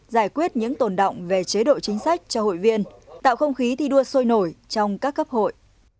giải quyết những tồn động về chế độ chính sách cho hội viên tạo không khí thi đua sôi nổi trong các cấp hội